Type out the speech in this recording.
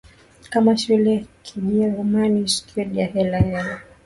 kama shule Kijerumani Schule na hela Heller